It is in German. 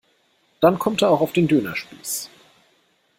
Dann kommt er auch auf den Dönerspieß.